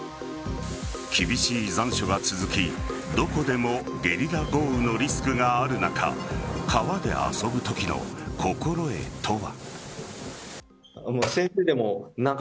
厳しい残暑が続きどこでもゲリラ豪雨のリスクがある中川で遊ぶときの心得とは。